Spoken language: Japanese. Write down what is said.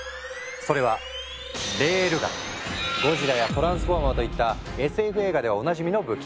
それは「ゴジラ」や「トランスフォーマー」といったＳＦ映画ではおなじみの武器。